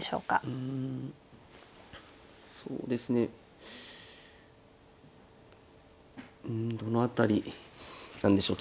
うんそうですねうんどの辺りなんでしょう。